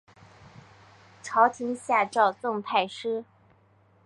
朝廷下诏赠太师。